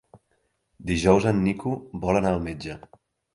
Dijous en Nico vol anar al metge.